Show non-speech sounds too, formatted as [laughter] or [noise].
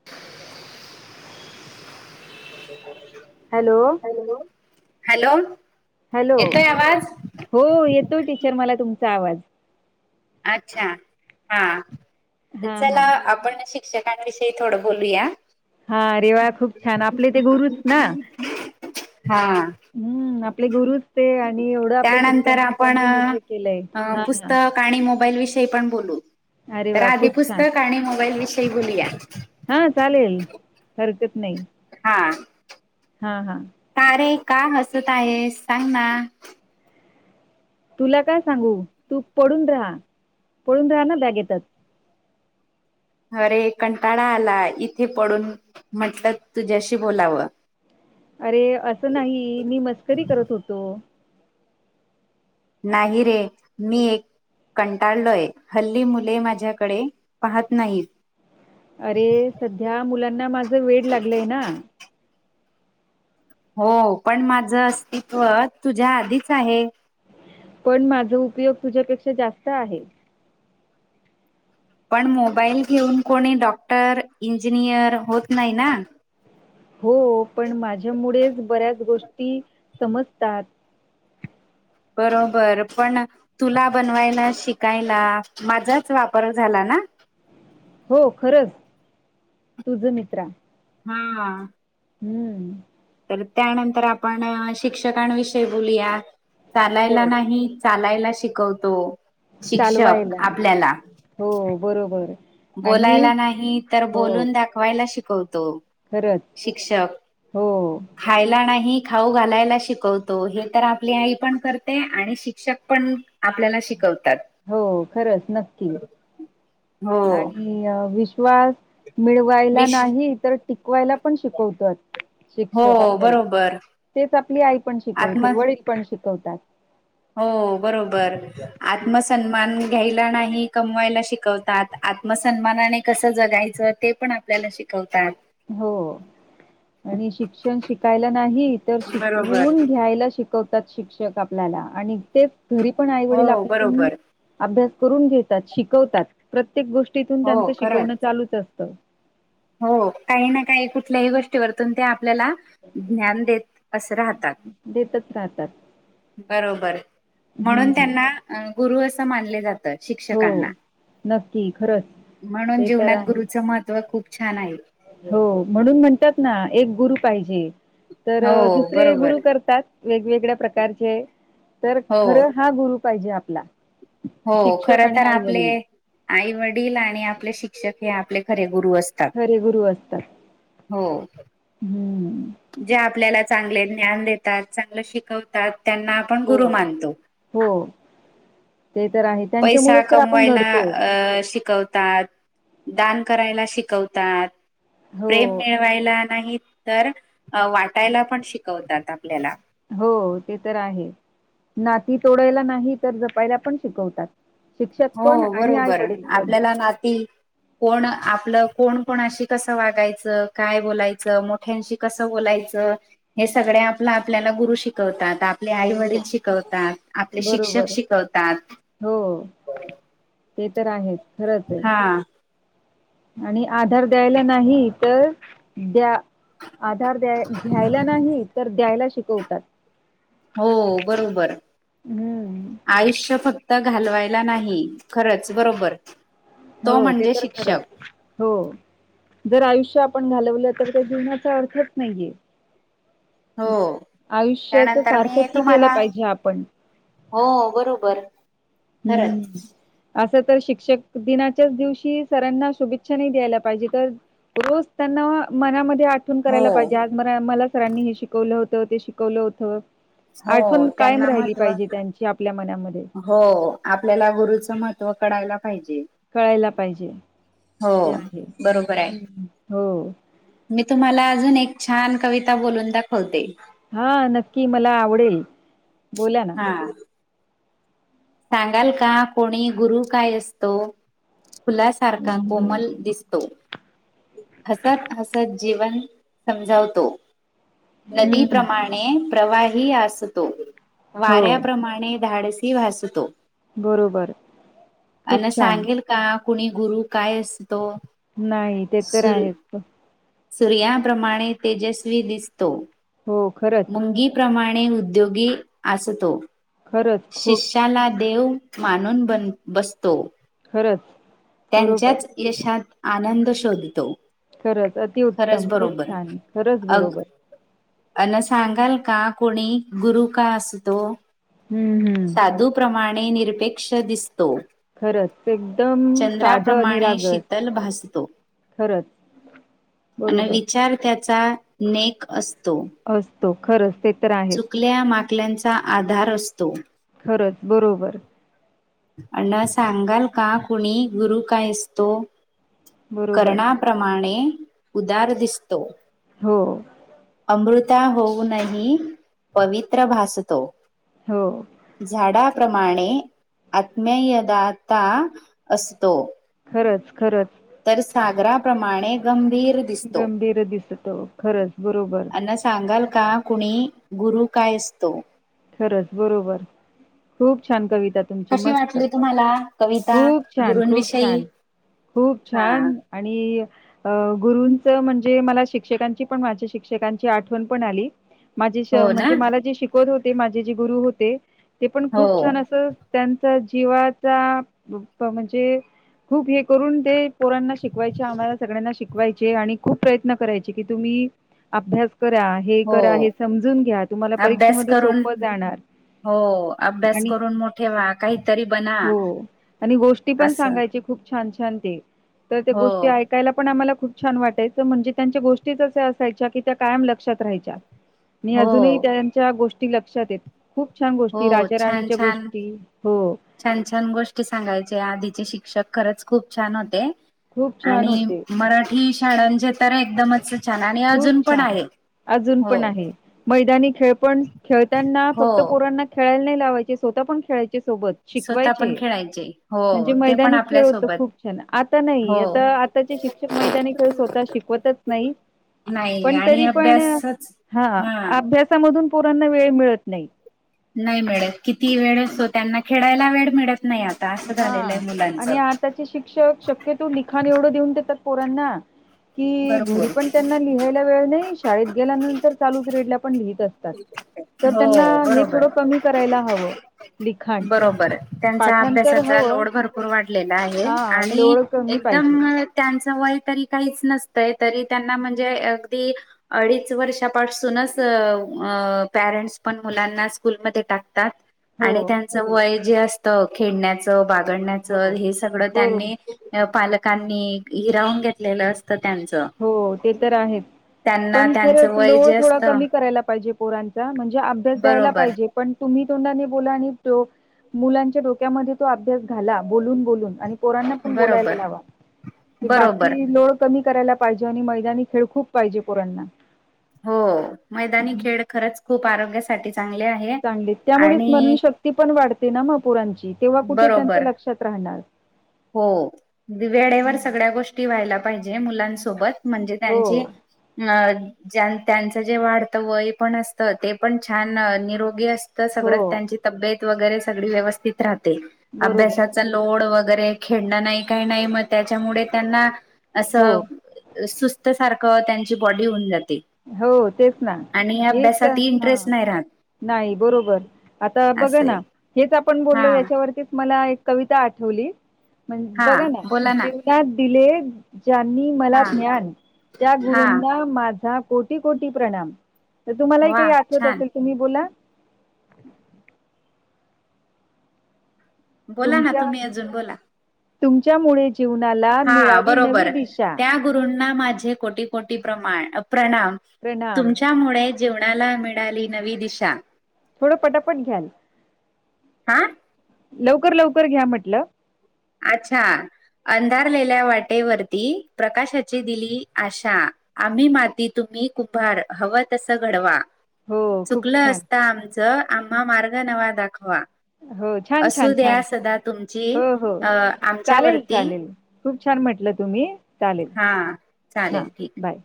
[inaudible] [unintelligible] Hello hello, hello hello, येतोय आवाज हो येतोय टीचर मला तुमचा आवाज. अच्छा हा, हा चला हा आपण शी शिक्षकांविषयी थोड बोलूया. हा, अरे वा खूप छान. आपले ते गुरुच ना. हा हम्म आपले गुरुच ते आणि एवढं आपल्या त्यानंतर आपण शिक्षकांनी मोठे केलंय अ हा हा पुस्तक आणि मोबाईल विषयी पण बोलू. अरे तर वा आधी खूप छान पुस्तक आणि मोबाईल विषयी बोलूया. हा चालेल हरकत नाही. हा हा हा कार रे का हसत आहे. सांग ना. तुला काय सांगू. तू पडून राहा. पडून राहा ना बॅगेतच. अरे कंटाळा आला इथे पडून. म्हटल तुझ्याशी बोलाव. अरे अस नाही, मी मस्करी करत होतो. नाही रे मी एक कंटाळलोय. हल्ली मुले माझ्याकडे पाहत नाहीत. अरे, सध्या मुलांना माझ वेड लागलय ना. हो, पण माझ अस्तित्व तुझ्या आधीच आहे. पण माझ उपयोग तुझ्यापेक्षा जास्त आहे. पण, मोबाईल घेऊन कोणी डॉक्टर इंजिनियर होत नाही ना. हो पण माझ्यामुळेच बऱ्याच गोष्टी समजतात. बरोबर पण तुला बनवायला शिकायला माझाच वापर झाला ना. हो खरच, तुझ मित्रा. हा हम्म तर त्यानंतर आपण शिक्षकांविषयी बोलूया. हो. चालायला नाही चालायला शिकवतो. शिक्षक चालवायला, आपल्याला हो बरोबर. आणि बोलायला नाही तर, हो, बोलून दाखवायला शिकवतो. खरंच. शिक्षक हो, खायला नाही खाऊ घालायला शिकवतो. हे तर आपली आई पण करते. आणि शिक्षक पण आपल्याला शिकवतात. हो खरच नक्की. हो आणि विश्वास मिळ वायला विश नाही तर, टिकवायला पण शिकवतात. शिक्षक हो आपल्याला, बरोबर तेच आपली आई पण आत्म शिकवते वडील पण शिकवतात. हो बरोबर. आत्मसन्मान घ्यायला नाही कमवायला शिकवत आत्मसन्मानाने कस जगायच ते पण आपल्याला शिकवतात. हो, आणि शिक्षण शिकायला नाही तर बरोबर शिकवून घ्यायला श शिकवतात शिक्षक आपल्याला. आणि ते घरी पण आईवडील हो आपल्याकडुन बरोबर अभ्यास करून घेतात, शिकवतात. प्रत्येक गोष्टीतून हो त्यांच खरंच शिकवण चालूच असत. हो, काही ना काही कुठल्याही गोष्टीवरतून ते आपल्याला ज्ञान देत असं राहतात. देतच राहते. बरोबर हं. म्हणून त्यांना गुरु असं मानले जातात. हो. शिक्षकांना, नक्की खरंच. म्हणुन ते तर जीवनात आहे. गुरुचं खूप छान आहे. हो म्हणून म्हणतात ना एक गुरु पाहिजे. तर हो दुसरे बरोबर गुरु करतात, वेगवेगळ्या प्रकारचे. तर हो खरं हा गुरु पाहिजे आपला. हो शिक्षक खर आणि तर आपले आई-वडील आई वडील आणि आपले शिक्षक हे आपले खरे गुरु असतात. खरे गुरु असतात. हो हं. जे आपल्याला चांगले ज्ञान देतात, चांगलं शिकवतात, त्यांना आपण हो, गुरु मानतो. हो ते तर आहे. पैसा त्यांच्यामुळेच तर आपण कमवायला घडतो. अ शिकवतात. दान करायला शिकवतात. हो. ते मिळवायला नाही तर वाटायला पण शिकवतात आपल्याला. हो ते तर आहे, नाती तोडायला नाही तर जपायला पण शिकवतात. शिक्षक हो पण आणि बरोबर आई-वडील पण. आपल्याला नाती कोण आपलं, कोण कोणाशी कसं वागायचं, काय बोलायचं, मोठ्यांशी कसं बोलायचं, हे सगळे आपलं आपल्याला गुरु शिकवतात ना. आपले हो, आई-वडील शिकवतात, आपले शिक्षक बरोबर. शिकवतात. हो ते तर आहेच खरंच आहे. हा आणि आधार द्यायला नाही तर, द्या आधार द्याय घ्यायला नाही तर द्यायला शिकवतात. हो बरोबर हम्म. आयुष्य फक्त त घालवायला नाही खरंच बरोबर तो हो ते म्हणजे तर खरंच शिक्षक आहे. हो जर आयुष्य आपण घालवलं तर ते जीवनाचा अर्थच नाहीये. हो आयुष्याच त्यानंतर मी सार्थकही केलं तुम्हाला पाहिजे आपण. हो बरोबर हम्म खरंच हम्म असं तर शिक्षक दिनाच्याच दिवशी सरांना शुभेच्छा नाही द्यायला पाहिजे तर रोज त्यांना मनामध्ये आ तून हो करायला पाहिजे आज मरा मला सरांनी हे शिकवलं होतं, ते शिकवलं होतं. हो आठवण कायम त्यांना राहिली महत्त्व पाहिजे त्यांची आपल्या मनामध्ये हो आपल्याला गुरुचं महत्त्व कळायला पाहिजे. कळायला पाहिजे हो ते आहे बरोबर आहे. हम्म हो मी तुम्हाला अजून एक छान कविता बोलून दाखवते. हा नक्की मला आवडेल बोला ना. हा सांगाल का कोणी गुरु काय असतो? फुलासारखा कोमल दिसतो. हसत हसत जीवन समजावतो हम्म हम्म. नदीप्रमाणे ने प्रवाही असतो. हो वाऱ्याप्रमाणे धाडसी भासतो. बरोबर खूप आणि छान सांगेल का कुणी गुरु काय असतो? नाही ते तर सु आहेच. सूर्याप्रमाणे तेजस्वी दिसतो. हो खरं अंगी प्रमाणे उद्योगी असतो. खरंच खू त्याला देव मानून बन बसतो खरंच, बरोबर. त्यांच्याच यशात आनंद शोधतो. खरंच अति खरंच उत्तम खूप बरोबर छान खरंच अग बरोबर. अन सांगाल का कोणी गुरु का असतो हं, हं. साधू प्रमाणे निरपेक्ष दिसतो. खरंच एकदम साधं चंद्राप्रमाणे निरागस. शीतल भासतो. खरंच, अनं बरोबर. विचार त्याचा नेक असतो. असतो खरंच ते तर आहे. क्ल्या माकल्यांचा आधार असतो. खरच बरोबर. आणा सांगाल का कुणी गुरु काय असतो? बरोबर. कर्णाप्रमाणे उदार दिसतो. हो. अमृता होऊन ही पवित्र भासतो. हो. झाडाप्रमाणे आत्मेयदाता असतो. खरंच खरंच. तर सागराप्रमाणे गंभीर दिसतो गंभीर दिसतो खरंच बरोबर. अण्णा सांगाल का कुणी गुरु काय असतो? खरंच बरोबर खूप छान कविता तुमची कशी मस्त वाटली तुम्हाला कविता खूप छान खूप गुरूंविषयी छान खूप हा छान आणि अ गुरूंचं म्हणजे मला शिक्षकांची पण माझ्या शिक्षकांची आठवण पण आली. माझे शे हो ना म्हणजे मला जे शिकवत होते माझे जे गुरु होते ते पण हो खूप छान असं त्यांचा जीवाचा प म्हणजे खूप हे करून ते पोरांना शिकवायच्या आम्हाला सगळ्यांना शिक कवायचे आणि खूप प्रयत्न करायचे कि तुम्ही अभ्यास करा. हे हो करा समजून घ्या तुम्हाला अभ्यास परीक्षेमध्ये करून सोपं जाणार. हो अभ्यास आणि करून मोठे व्हा काहीतरी बना हो आणि गोष्टी पण असं. सांगायचे खूप छान छान ते तर ते हो गोष्टी ऐक कायला पण आम्हाला खूप छान वाटायचं म्हणजे त्यांच्या गोष्टीच असे असायच्या कि त्या कायम लक्षात राहायच्या. [unintelligible] मी अजूनही त्यांच्या गोष्टी लक्षात येत खूप छान गोष्टी हो राजा छान राणीच्या छान गोष्टी. हो. छान छान गोष्टी सांगायचे आदीचे शिक्षक खरंच खूप छान होते. खूप छान आणि होते मराठी शाळांचे एकदमच छान आणि खूप अजून पण छान. आहे. अजून हो पण आहे मैदानी खेळ पण खेळतांना हो फक्त पोरांना खेळायला नाय लावायचे स्वतः पण खेळायचे सोबत. स्वतः शिकवायचे पण खेळायचे म्हणजे हो ते पण मैदानी खेळ होतो आपल्यासोबत खूप छान आता नाही हो आता आ ताचे शिक्षक मैदानी खेळ स्वतः शिकवतच नाही. नाही पण आणि तरी पण अभ्यासच हा अभ्यासामधून पोरांना वेळ मिळत नाही. नाही मिळत किती वेळ असतो त्यांना खेळायला वेळ मिळत नाही आता असं झालेलं हा. आहे मुलांच. आणि आताचे शिक्षक शक्यतो लिखाण एवढं देऊन देतात पोरांना की घरी भरपूर पण. त्यांना लिहायला वेळ नाही शाळेत गेल्यानंतर चालूच पिरेड ला पण लिहित असतात.. तर हो त्यांना हे बरोबर थोडं कमी करायला हवं लिखाण. बरोबर आहे. त्यांचा पाठांतर अभ्यासाचा हवं लोड भरपूर वाढलेला आहे हा आणि लोळ कमी पाहिजे एकदम. त्यांचं वय तरी काहीच नसतंय तरी त्यांना म्हणजे अगदी. अडीच वर्षापासूनच पेरेंट्स मुलांना स्कूलमध्ये टाकतात. हो. त्यांच वय जे खेळण्याचं बागडण्याचं हो. हे सगळं बरोबर त्यांनी. पालकांनी हिरावून घेतलेलं असतं त्यांचं. हो ते तर आहेत. त्यांना पण खरंच त्यांचं वय जे लोड असतं करायला पाहिजे पोरांचा म्हणजे अभ्यास द्यायला बरोबर पाहिजे.. पण तुम्ही तोंडाने बोला आणि मुलांच्या डोक्यामध्ये तो अभ्यास घाला बोलून. पोरांना पण बोलायला बरोबर लावा बरोबर बाकी लोड कमी कराय. पाहिजे आणि मैदानी खेळ खूप पाहिजे पोरांना. हो मैदानी हम्म. खेळ खरंच खूप आरोग्यासाठी चांगले आहे आणि. ती पण वाढते ना मग पुरांची तेव्हा कुठे त्यांच बरोबर लक्षात राहणार. हो वेळेवर हम्म. सगळ्या गोष्टी व्हायला पाहिजे मुलांसोबत. म्हणजे हो त्यांची अं. ज त्यांचं जे वाढतं वय पण असत ते पण छान निरोगी असत. हो सगळ त्यांची तब्येत वगैरे सग व्यवस्थित राहते बरोबर अभ्यासाचा लोड वगैरे. खेळणं नाही काही नाही मग त्याच्यामुळे त्यांना हो असं. सुस्त सारखं त्यांची बॉडी होऊन जाते. हो तेच ना आणि हे तर अभ्यासात हा. इंटरेस्ट नाही राहत नाही बरोबर आता बघ असे ना हेच आपण बोललो हा याच्यावरतीच मला एक. कविता आठवली मग हा बघ बोला ना. दिले ज्यांनी मला हा ज्ञान त्या हा गुरूंना माझा. कोटी कोटी प्रणाम तर तुम्हालाही वा काही आठवत छान असेल तुम्ही बोला. बोला ना तुमच्या तुम्ही अजून बोला. तुमच्यामुळे जीवनाला मिळाली नवी दिशा. गुरूं माझे कोटी कोटी प्रमा प्रणाम प्रणाम. तुमच्यामुळे. जीवनाला मिळाली नवी दिशा. थोडं पटापट घ्याल. हा. लवकर लवकर घ्या म्हटलं. अच्छा अंधारलेल्या वाटेवररती प्रकाशाची दिली आशा. आम्ही माती तुम्ही कुंभार हवं तस घडवा. हो खूप चुकल छान. असता आमचं आम्हा मार्ग नवा दाखवा. हो छान, असू छान, द्या छान, छान. सदा तुमची हो हो अं चालेल आमच्यावरती. चालेल खूप छान म्हटलं तुम्ही चालेल हा हा चालेल ठीक बाय.